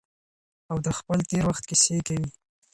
او د خپل تیر وخت کیسې کوي.